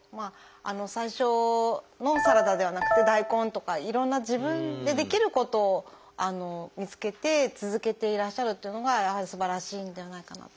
最初のサラダではなくて大根とかいろんな自分でできることを見つけて続けていらっしゃるというのがやはりすばらしいんではないかなと。